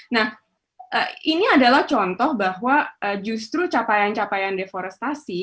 nah ini adalah contoh bahwa justru capaian capaian deforestasi